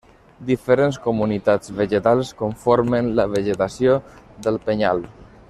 Diferents comunitats vegetals conformen la vegetació del penyal.